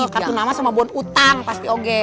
kartu nama sama buat utang pasti oge